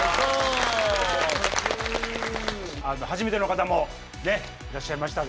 初めての方もねいらっしゃいましたが。